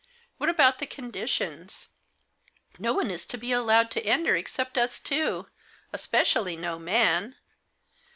"What about the conditions? No one is to be allowed to enter except us two, especially no man."